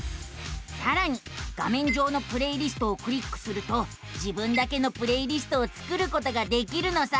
さらに画めん上の「プレイリスト」をクリックすると自分だけのプレイリストを作ることができるのさあ。